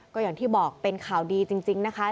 ก็อย่างที่บอกเป็นข่าวดีจริงนะคะ